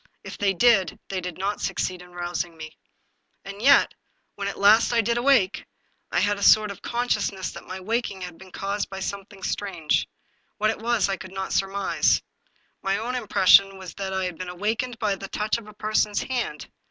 If they did, they did not succeed in rousing me. And yet, when at last I did awake, I had a sort of con sciousness that my waking had been caused by something strange. What it was I could not surmise. My own im pression was that I had been awakened by the touch of a person's hand.